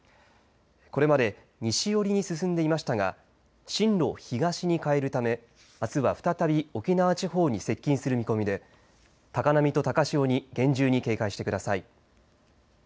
これまで西寄りに進んでいましたが進路を東に変えるためあすは再び沖縄地方に接近する見込みで高波と高潮に厳重に警戒してください。